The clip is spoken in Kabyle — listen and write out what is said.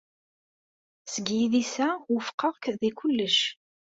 Seg yidis-a, wufqeɣ-k deg kullec.